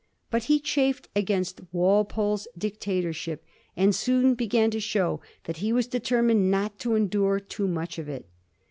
But he chafed against Walpole's dictatorship, and soon began to show that he was determined not to endure too much of it.